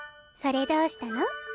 それどうしたの？